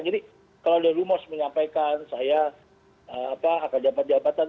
jadi kalau ada rumus menyampaikan saya akan dapat jabatan